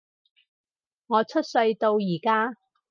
我出世到而家